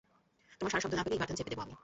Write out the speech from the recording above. তোমার সাড়াশব্দ না পেলে এই বাটন চেপে দেবো আমি।